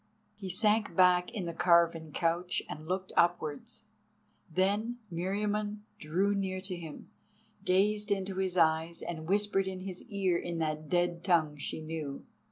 He sank back in the carven couch, and looked upwards. Then Meriamun drew near to him, gazed into his eyes and whispered in his ear in that dead tongue she knew.